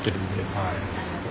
はい。